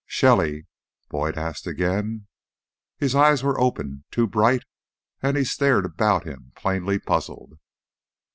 "Shelly?" Boyd asked again. His eyes were open, too bright, and he stared about him, plainly puzzled.